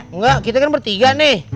enggak kita kan bertiga nih